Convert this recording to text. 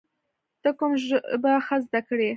ته کوم ژبه ښه زده کړې؟